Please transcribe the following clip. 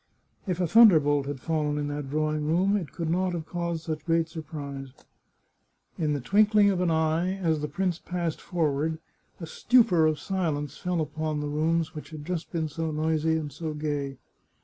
If a thunderbolt had fallen in that drawing room, it could not have caused such great surprise. In the twinkling of an eye, as the prince passed forward, a stupor of silence fell upon the rooms which had just been so noisy and so gay.